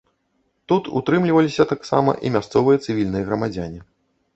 Тут утрымліваліся таксама і мясцовыя цывільныя грамадзяне.